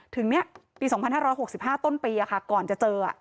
ถึงปี๒๕๖๕ต้นปีก่อนจะเจอ